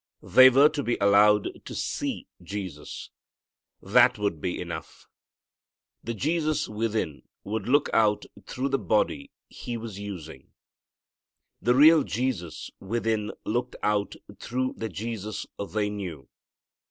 They were to be allowed to see Jesus. That would be enough. The Jesus within would look out through the body He was using. The real Jesus within looked out through the Jesus they knew.